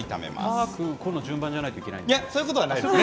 タクコの順番じゃないといけないんですか。